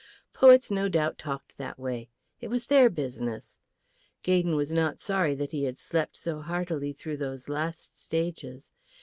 Poets no doubt talked that way. It was their business. Gaydon was not sorry that he had slept so heartily through those last stages.